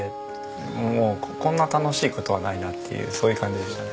もうこんな楽しい事はないなっていうそういう感じでしたね。